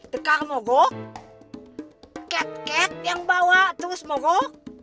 dekar mobo ket ket yang bawa terus mogok